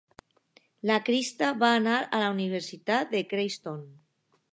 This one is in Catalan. La Krista va anar a la Universitat de Creighton.